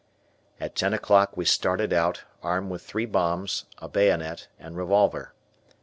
At ten o'clock we started out, armed with three bombs, a bayonet, and revolver.